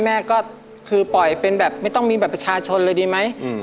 แม่ก็คือปล่อยเป็นแบบไม่ต้องมีบัตรประชาชนเลยดีไหม